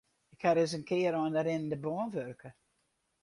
Ik ha ris in kear oan de rinnende bân wurke.